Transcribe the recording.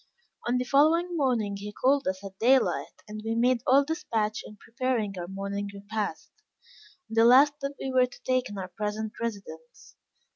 On the following morning he called us at daylight, and we made all despatch in preparing our morning repast, the last that we were to take in our present residence.